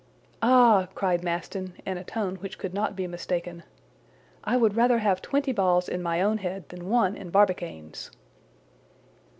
"Ah!" cried Maston, in a tone which could not be mistaken, "I would rather have twenty balls in my own head than one in Barbicane's."